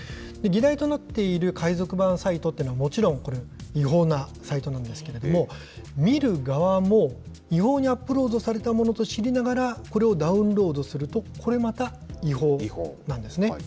議題となっている海賊版サイトというのは、もちろんこれ、違法なサイトなんですけれども、見る側も、違法にアップロードされたものと知りながら、これをダウンロードすると、これまた違法なんですね。